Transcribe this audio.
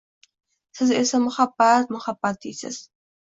Siz esa muhabbat, muhabbt deysiz